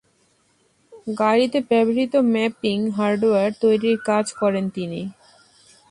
গাড়িতে ব্যবহৃত mapping hardware তৈরির কাজ করেন তিনি।